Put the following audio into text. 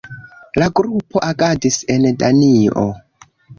La grupo agadis en Danio.